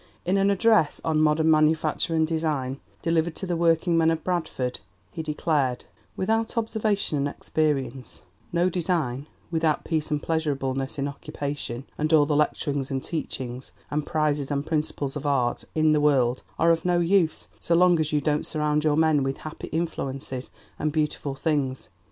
In an address on "Modern Manufacture and Design," delivered to the working men of Bradford, he declared: "Without observation and experience, no design without peace and pleasurableness in occupation, no design and all the lecturings, and teachings, and prizes and principles of art, in the world are of no use, so long as you don't surround your men with happy influences and beautiful things.